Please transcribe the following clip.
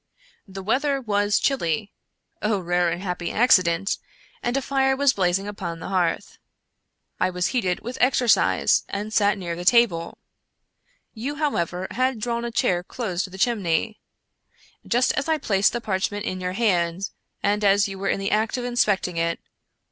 The weather was chilly (oh, rare and happy accident!), and a fire was blazing upon the hearth, I was heated with exer cise and sat near the table. You, however, had drawn a chair close to the chimney. Just as I placed the parchment in your hand, and as you were in the act of inspecting it.